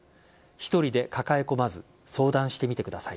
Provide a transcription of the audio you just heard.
１人で抱え込まず相談してみてください。